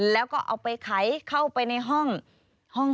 แล้วก็เอาไปไขเข้าไปในห้อง